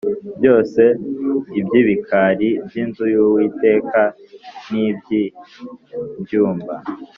Byose iby‘ibikari by’inzu y’Uwiteka n’iby’ibyumba